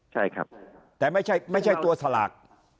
ใช่ครับแต่ไม่ใช่ตัวสลาก